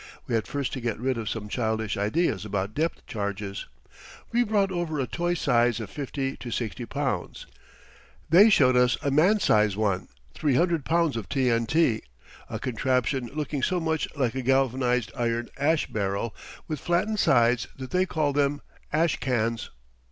We had first to get rid of some childish ideas about depth charges. We brought over a toy size of 50 to 60 pounds. They showed us a man's size one 300 pounds of T N T, a contraption looking so much like a galvanized iron ash barrel with flattened sides that they call them "ash cans."